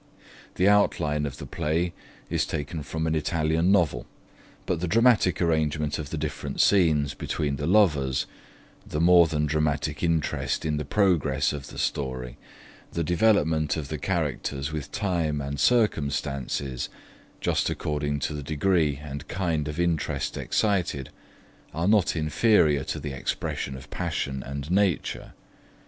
The outline of the play is taken from an Italian novel; but the dramatic arrangement of the different scenes between the lovers, the more than dramatic interest in the progress of the story, the development of the characters with time and circumstances, just according to the degree and kind of interest excited, are not inferior to the expression of passion and nature.